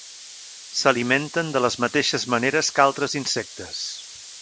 S'alimenten de les mateixes maneres que altres insectes.